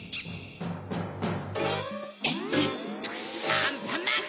アンパンマン！